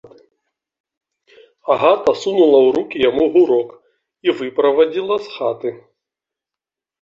Агата сунула ў рукі яму гурок і выправадзіла з хаты.